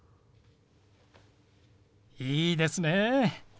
いいですね。